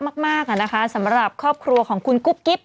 มากอะนะคะสำหรับครอบครัวของคุณกุ๊บกิ๊บ